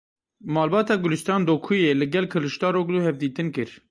Malbata Gulistan Dokuyê li gel Kilicdaroglu hevdîtin kir.